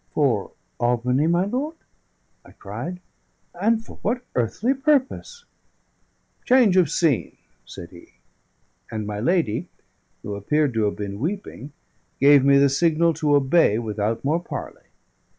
"For Albany, my lord?" I cried. "And for what earthly purpose?" "Change of scene," said he. And my lady, who appeared to have been weeping, gave me the signal to obey without more parley.